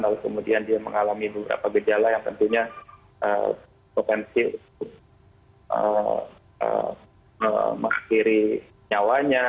lalu kemudian dia mengalami beberapa gejala yang tentunya potensi untuk mengakhiri nyawanya